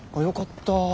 よかった。